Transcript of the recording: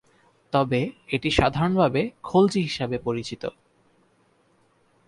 তবে, এটি সাধারণভাবে খলজি হিসাবে পরিচিত।